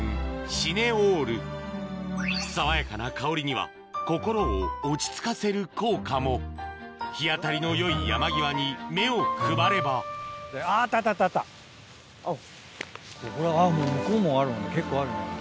シネオール爽やかな香りには心を落ち着かせる効果も日当たりのよい山際に目を配ればもう向こうもあるな結構あるね。